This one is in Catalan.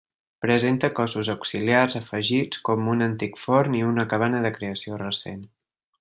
Presenta cossos auxiliars afegits, com un antic forn i una cabana de creació recent.